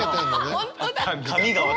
本当だ！